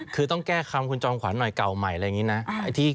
คือต้องแก้คำคุณจอมขวัญใหม่เก่าใหม่อะไรอย่างนี้นะ